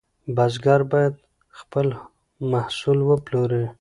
بزګر باید خپل محصول وپلوري.